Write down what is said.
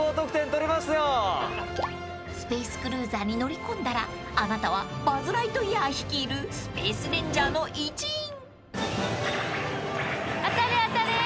［スペースクルーザーに乗り込んだらあなたはバズ・ライトイヤー率いるスペース・レンジャーの一員］